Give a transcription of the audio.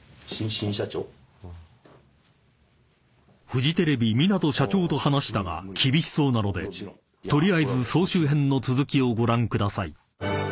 ［フジテレビ港社長と話したが厳しそうなので取りあえず総集編の続きをご覧ください］